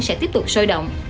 sẽ tiếp tục sôi động